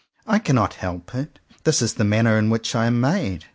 I cannot help it. This is the manner in which I am made.